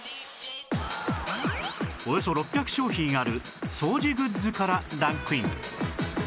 およそ６００商品ある掃除グッズからランクイン